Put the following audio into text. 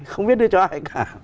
không biết đưa cho ai cả